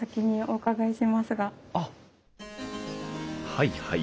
はいはい。